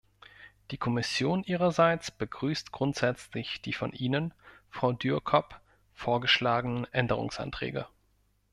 Die Kommission ihrerseits begrüßt grundsätzlich die von Ihnen, Frau Dührkop, vorgeschlagenen Änderungsanträge.